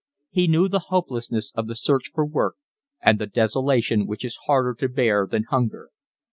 He knew the hopelessness of the search for work and the desolation which is harder to bear than hunger.